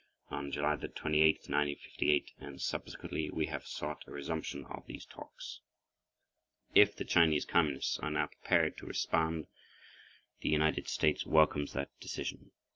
On July 28, 1958, and subsequently, we have sought a resumption of these talks. If the Chinese Communists are now prepared to respond, the United States welcomes that decision.